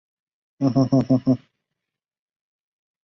长龙骨黄耆是豆科黄芪属的植物。